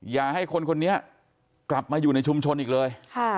อย่าให้คนคนนี้กลับมาอยู่ในชุมชนอีกเลย